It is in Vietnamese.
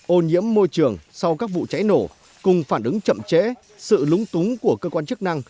ô nhiễm môi trường sau các vụ cháy nổ cùng phản ứng chậm chẽ sự lúng túng của cơ quan chức năng